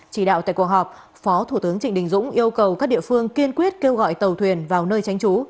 chỉ đạo tại cuộc họp phó thủ tướng trịnh đình dũng yêu cầu các địa phương kiên quyết kêu gọi tàu thuyền vào nơi tránh trú